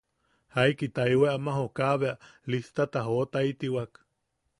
Jaiki taewata ama jokaa bea listata jootaitiwak.